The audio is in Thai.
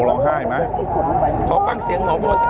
เป็นการกระตุ้นการไหลเวียนของเลือด